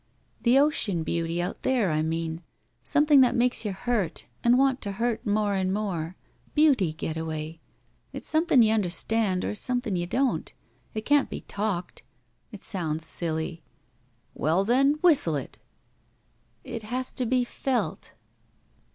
"The ocean beauty out there, I mean. Some thing that makes you hurt and want to hurt more and more. Beauty, Getaway. It's something you tmderstand or something you don't. It can't be talked. It sounds silly." "Well, then, whistle it!" "It has to be /^ft."